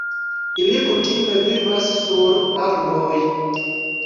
Ili kutime vivas sur arboj.